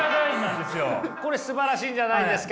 これすばらしいんじゃないですか。